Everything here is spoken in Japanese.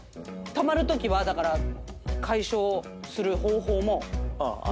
たまるときはだから解消する方法ももう。